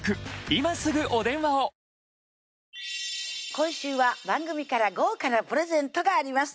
今週は番組から豪華なプレゼントがあります